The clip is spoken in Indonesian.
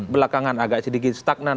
belakangan agak sedikit stagnan